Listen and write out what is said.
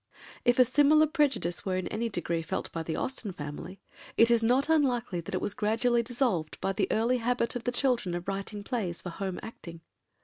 If a similar prejudice were in any degree felt by the Austen family, it is not unlikely that it was gradually dissolved by the early habit of the children of writing plays for home acting.